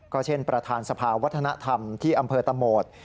ก็เช่นประธานสภาวัฒนธรรมที่อำเภอตะโหมด